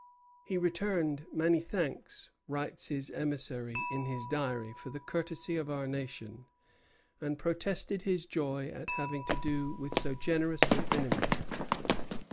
"He returned many thanks," writes the emissary in his Diary, "for the courtesy of our nation, and protested his joy at having to do with so generous an enemy.